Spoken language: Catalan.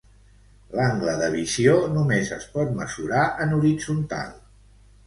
L'angle de visió només es pot mesurar en horitzontal.